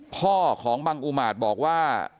พ่อของบังอุมาตย์บอกว่า